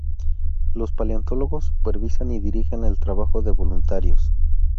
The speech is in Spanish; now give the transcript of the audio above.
Los paleontólogos supervisan y dirigen el trabajo de voluntarios.